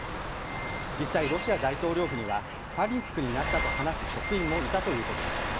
実際、ロシア大統領府にはパニックになったと話す職員もいたということです。